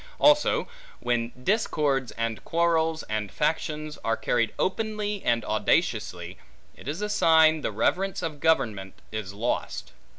Also, when discords, and quarrels, and factions are carried openly and audaciously, it is a sign the reverence of government is lost.